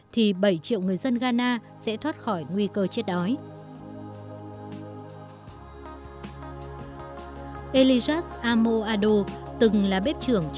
thì bảy triệu người dân ghana sẽ thoát khỏi nguy cơ chết đói